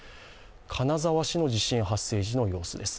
金沢市の地震発生時の様子です